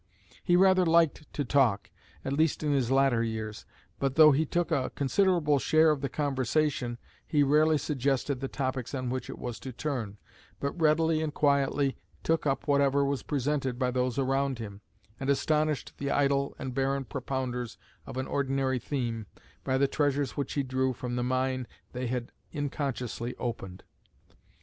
He rather liked to talk, at least in his latter years, but though he took a considerable share of the conversation, he rarely suggested the topics on which it was to turn, but readily and quietly took up whatever was presented by those around him, and astonished the idle and barren propounders of an ordinary theme, by the treasures which he drew from the mine they had inconsciously opened.